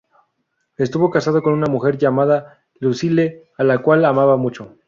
Estuvo casado con una mujer llamada Lucille a la cual amaba mucho.